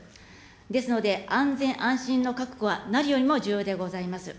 ですので、安全安心の確保は何よりも重要でございます。